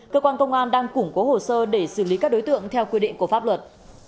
cơ quan công an đang củng cố hồ sơ để xử lý các đối tượng theo quy định của pháp luật